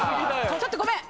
ちょっとごめん！